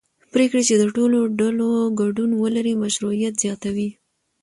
پرېکړې چې د ټولو ډلو ګډون ولري مشروعیت زیاتوي